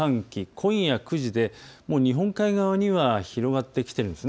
今夜９時で日本海側に広がってきています。